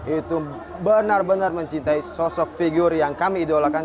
itu benar benar mencintai sosok figur yang kami idolakan